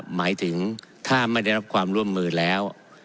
หมายถึงถ้าไม่ได้รับความร่วมมือแล้ว